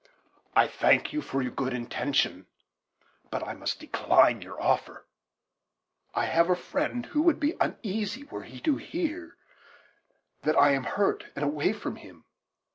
"I thank you for your good intention, but I must decline your offer. I have a friend who would be uneasy were he to hear that I am hurt and away from him.